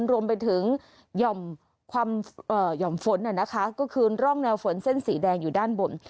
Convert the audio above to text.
รวมไปถึงห่อมฝนก็คือร่องแนวฝนเส้นสีแดงอยู่ด้านบน